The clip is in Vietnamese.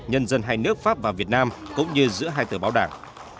nhân dân hai nước pháp và việt nam cũng như giữa hai tờ báo đảng